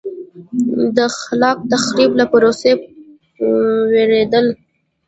د خلاق تخریب له پروسې وېرېدل.